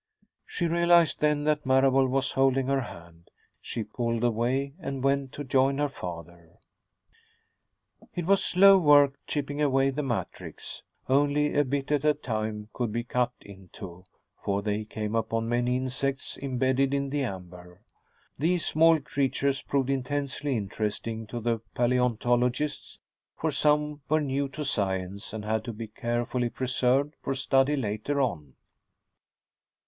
She realized then that Marable was holding her hand. She pulled away and went to join her father. It was slow work, chipping away the matrix. Only a bit at a time could be cut into, for they came upon many insects imbedded in the amber. These small creatures proved intensely interesting to the paleontologists, for some were new to science and had to be carefully preserved for study later on.